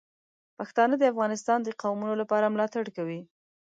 پښتانه د افغانستان د قومونو لپاره ملاتړ کوي.